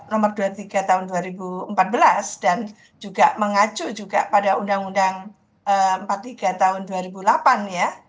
nomor dua puluh tiga tahun dua ribu empat belas dan juga mengacu juga pada undang undang empat puluh tiga tahun dua ribu delapan ya